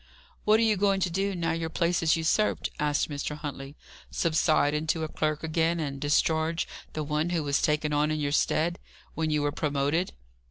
"What are you going to do, now your place is usurped?" asked Mr. Huntley. "Subside into a clerk again, and discharge the one who was taken on in your stead, when you were promoted?"